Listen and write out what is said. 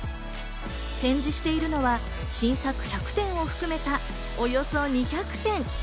展示しているのは新作１００点を含めた、およそ２００点！